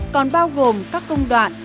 còn bao gồm các công đoạn